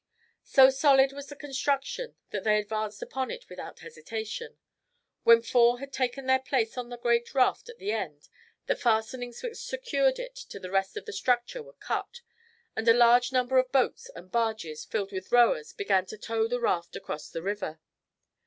So solid was the construction that they advanced upon it without hesitation. When four had taken their place on the great raft at the end, the fastenings which secured it to the rest of the structure were cut, and a large number of boats and barges filled with rowers began to tow the raft across the river.